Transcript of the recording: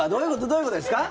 どういうことですか？